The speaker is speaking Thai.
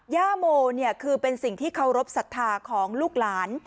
ย่าโมเนี่ยคือเป็นสิ่งที่เคารพสัทธาของลูกหลาน